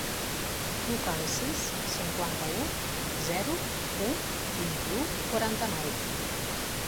Truca al sis, cinquanta-u, zero, u, vint-i-u, quaranta-nou.